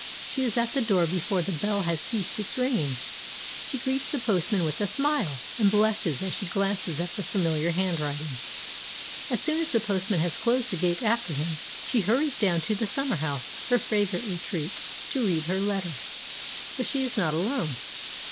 She is at the door before the bell has ceased its ringing. She greets the postman with a smile, and blushes as she glances at the familiar handwriting. As soon as the postman has closed the gate after him, she hurries down to the summer house, her favourite retreat, to read her letter. But she is not alone.